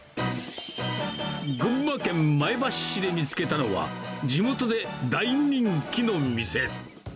群馬県前橋市で見つけたのは、地元で大人気の店。